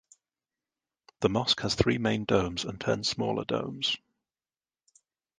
The mosque has three main domes and ten smaller domes.